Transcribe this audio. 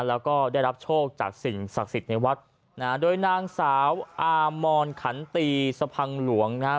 แล้วก็ได้รับโชคจากสิ่งศักดิ์สิทธิ์ในวัดนะฮะโดยนางสาวอามอนขันตีสะพังหลวงนะฮะ